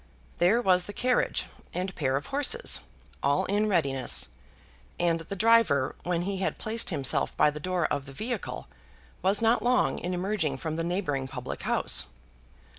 There was the carriage and pair of horses, all in readiness; and the driver, when he had placed himself by the door of the vehicle, was not long in emerging from the neighbouring public house.